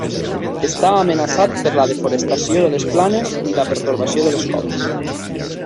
Està amenaçat per la desforestació de les planes i la pertorbació de les coves.